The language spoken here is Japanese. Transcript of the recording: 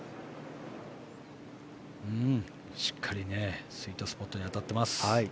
しっかりスイートスポットに当たってます。